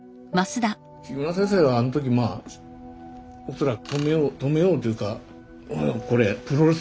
木村先生はあの時まあ恐らく止めよう止めようというかこれプロレスだろ？